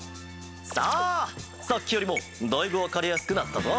さあさっきよりもだいぶわかりやすくなったぞ。